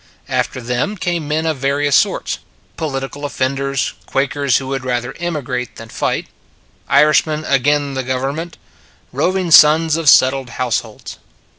After them came men of various sorts: political offenders; Quakers who would rather emigrate than fight; Irishmen " ag in the government "; roving sons of settled households.